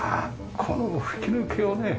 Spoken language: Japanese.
この吹き抜けをね